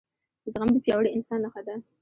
زغم دپیاوړي انسان نښه ده